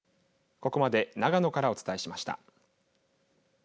ここまで長野からお伝えしました。